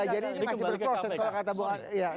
jadi ini masih berproses kalau kata buah